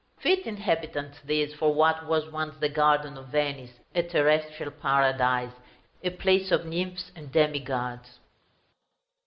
Fit inhabitants, these, for what was once the Garden of Venice, "a terrestrial paradise, a place of nymphs and demi gods!"